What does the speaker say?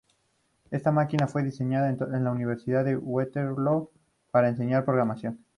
Esta máquina fue diseñada en la Universidad de Waterloo para enseñar programación.